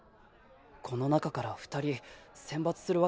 この中から２人選抜するわけか。